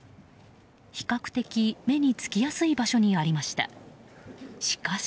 比較的、目につきやすい場所にありました。